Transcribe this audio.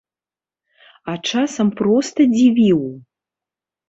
А часам проста дзівіў.